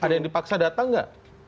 ada yang dipaksa datang nggak